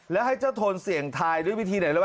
แล้วให้เจ้าโทนเสี่ยงทายด้วยวิธีไหนรู้ป